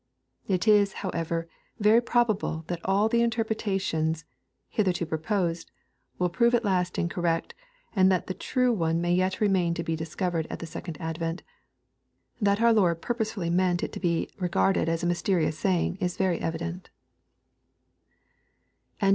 It is, however, very probable that all the interpretations, hith erto proposed, will prove at last incorrect, and that the true one may yet remain to be discovered at the second advent That our liord purposely meant it to be regarded as a mysterious saying i^ very evident LUKE XYHI.